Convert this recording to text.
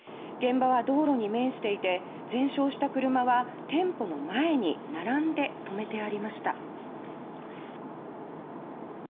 現場は道路に面していて全焼した車は店舗の前に並んでとめてありました。